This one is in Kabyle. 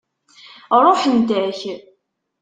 Ṛuḥent-ak.